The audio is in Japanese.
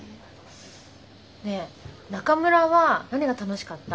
ねえ中村は何が楽しかった？